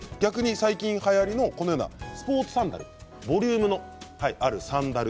最近はやりのスポーツサンダルボリュームのあるサンダル